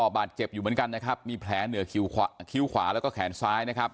บาดเจ็บอยู่เหมือนกันมีแผลเหนือคิ้วขวาแล้วก็แขนซ้าย